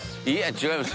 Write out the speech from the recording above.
違います